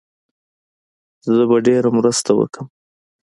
زه به ډېره مرسته وکړم.